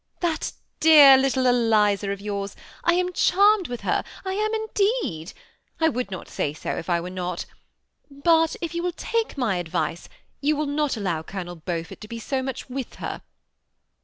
" That dear little Eliza of yours, I am charmed with her ; I am, indeed. I would not say so if I were not ; but if you will take my advice, you will not allow Colonel Beaufort to be so much with her."